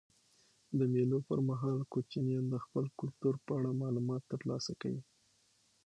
د مېلو پر مهال کوچنيان د خپل کلتور په اړه معلومات ترلاسه کوي.